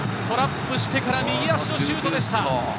トラップしてから右足のシュートでした。